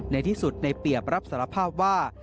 ในที่สุดในเปรียบรับสารภาพว่า